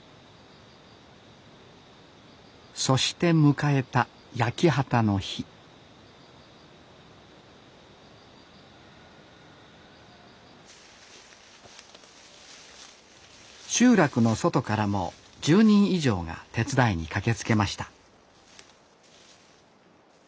そして迎えた焼き畑の日集落の外からも１０人以上が手伝いに駆けつけました